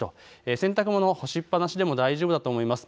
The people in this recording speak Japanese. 洗濯物干しっぱなしでも大丈夫だと思います。